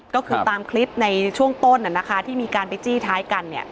ก็คือตามคลิปในช่วงต้นที่มีการไปจี้ท้ายกัน